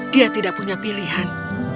dia tidak punya pilihan